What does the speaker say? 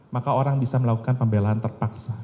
maka orang bisa melakukan pembelaan terpaksa